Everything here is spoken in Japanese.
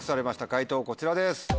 解答こちらです。